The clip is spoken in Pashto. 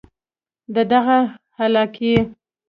د دغه علاقې